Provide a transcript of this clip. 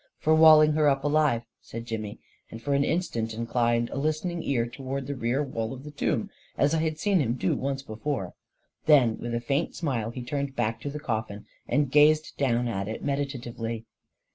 44 For walling her up alive," said Jimmy, and for an instant inclined a listening ear toward the rear wall of the tomb, as I had seen him do once before. Then, with a faint smile, he turned back to the coffin, and gazed down at it meditatively.